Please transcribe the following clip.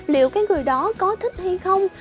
liệu cái người đó có thích hay không